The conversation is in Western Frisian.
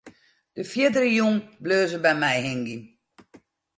De fierdere jûn bleau se by my hingjen.